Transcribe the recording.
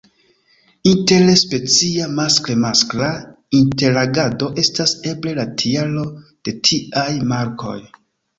Inter-specia maskle-maskla interagado estas eble la tialo de tiaj markoj.